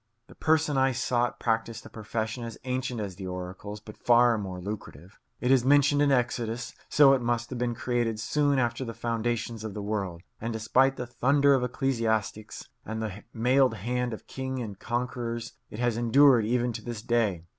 The person I sought practised a profession as ancient as the oracles but far more lucrative. It is mentioned in Exodus; so it must have been created soon after the foundations of the world; and despite the thunder of ecclesiastics and the mailed hand of kings and conquerors, it has endured even to this day.